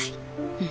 うん。